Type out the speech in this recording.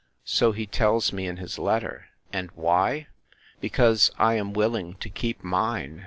So he tells me in his letter. And why? Because I am willing to keep mine.